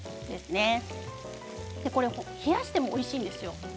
これは冷やしてもおいしいですよ。